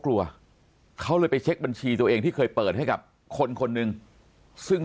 กลัวเขาเลยไปเช็คบัญชีตัวเองที่เคยเปิดให้กับคนคนหนึ่งซึ่ง